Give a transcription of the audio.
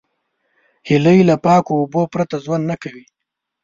هیلۍ له پاکو اوبو پرته ژوند نه کوي